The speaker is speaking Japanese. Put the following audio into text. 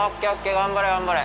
頑張れ頑張れ。